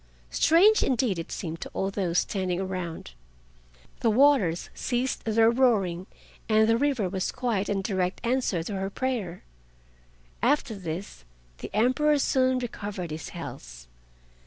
Strange indeed it seemed to all those standing round. The waters ceased their roaring, and the river was quiet in direct answer to her prayer. After this the Emperor soon recovered his health.